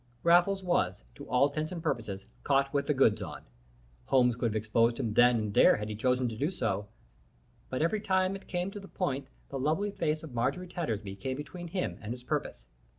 Raffles was, to all intents and purposes, caught with the goods on. Holmes could have exposed him then and there had he chosen to do so, but every time it came to the point the lovely face of Marjorie Tattersby came between him and his purpose.